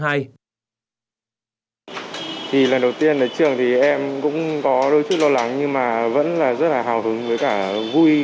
thì lần đầu tiên đến trường thì em cũng có đôi chút lo lắng nhưng mà vẫn là rất là hào hứng với cả vui